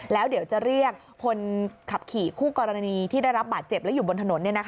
แล้วเดี๋ยวจะเรียกคนขับขี่คู่กรณีที่ได้รับบาดเจ็บและอยู่บนถนน